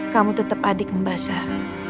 kamu tetap adik mbak zah